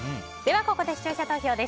ここで視聴者投票です。